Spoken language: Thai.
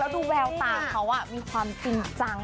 แล้วทุกแววตาเขามีความจริงจัง